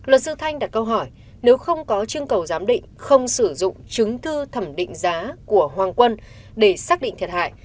luật sư thanh đặt câu hỏi nếu không có chương cầu giám định không sử dụng chứng thư thẩm định giá của hoàng quân để xác định thiệt hại